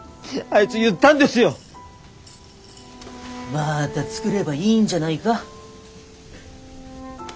またつくればいいんじゃないか。